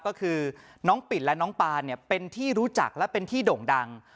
ก็คือน้องปิดและน้องปานเนี่ยเป็นที่รู้จักและเป็นที่โด่งดัง